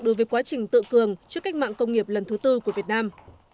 đối với quá trình tự cường trước cách mạng công nghiệp lần thứ tư của việt nam